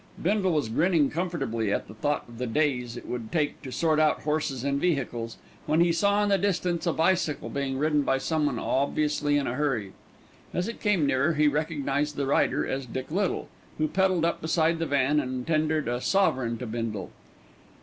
Bindle was grinning comfortably at the thought of the days it would take to sort out the horses and vehicles, when he saw in the distance a bicycle being ridden by someone obviously in a hurry. As it came nearer he recognised the rider as Dick Little, who pedalled up beside the van and tendered a sovereign to Bindle.